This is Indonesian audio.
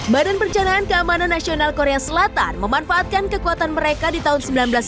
badan perencanaan keamanan nasional korea selatan memanfaatkan kekuatan mereka di tahun seribu sembilan ratus sembilan puluh